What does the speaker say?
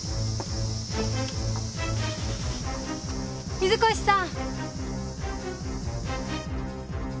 水越さん。